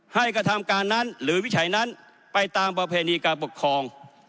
กระทำการนั้นหรือวิจัยนั้นไปตามประเพณีการปกครอง